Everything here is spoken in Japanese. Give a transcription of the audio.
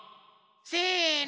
せの！